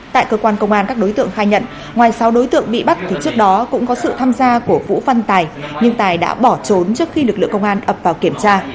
tại cơ quan công an các đối tượng khai nhận ngoài sáu đối tượng bị bắt thì trước đó cũng có sự tham gia của vũ văn tài nhưng tài đã bỏ trốn trước khi lực lượng công an ập vào kiểm tra